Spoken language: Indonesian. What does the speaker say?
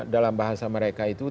dalam bahasa mereka itu